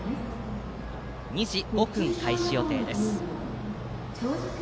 ２時５分開始予定です。